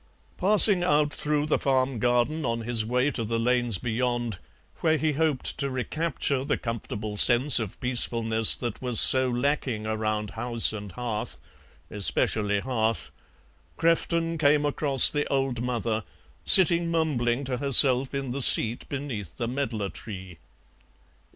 Passing out through the farm garden on his way to the lanes beyond, where he hoped to recapture the comfortable sense of peacefulness that was so lacking around house and hearth especially hearth Crefton came across the old mother, sitting mumbling to herself in the seat beneath the medlar tree.